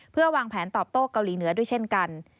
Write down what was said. เพื่อวางแผนตอบโต้เกาหลีเหนือด้วยเช่นกัน